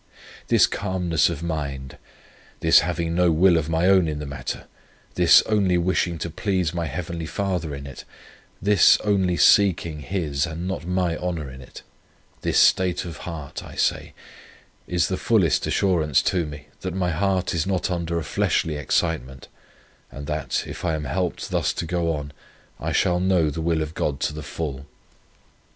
This calmness of mind, this having no will of my own in the matter, this only wishing to please my Heavenly Father in it, this only seeking His and not my honour in it; this state of heart, I say, is the fullest assurance to me that my heart is not under a fleshly excitement, and that, if I am helped thus to go on, I shall know the will of God to the full.